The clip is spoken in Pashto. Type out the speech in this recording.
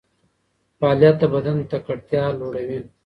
فعالیت د بدن تکړتیا لوړوي.